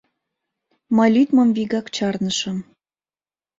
Мый лӱдмым вигак чарнышым.